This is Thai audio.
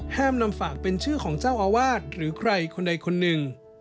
นำฝากเป็นชื่อของเจ้าอาวาสหรือใครคนใดคนหนึ่ง